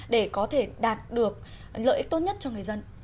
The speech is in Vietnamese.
để có thể đạt được lợi ích tốt nhất cho người dân